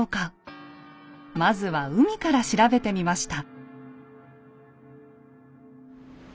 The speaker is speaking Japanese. まずは海から調べてみました。